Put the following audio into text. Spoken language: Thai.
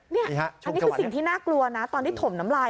นี่อันนี้คือสิ่งที่น่ากลัวนะตอนที่ถมน้ำลาย